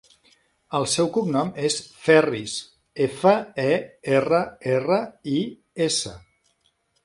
El seu cognom és Ferris: efa, e, erra, erra, i, essa.